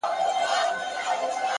• توجه یې له باوړیه شاوخوا وي ,